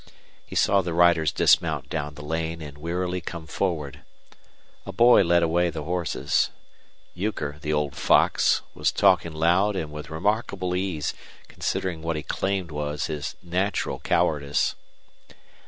He saw the riders dismount down the lane and wearily come forward. A boy led away the horses. Euchre, the old fox, was talking loud and with remarkable ease, considering what he claimed was his natural cowardice.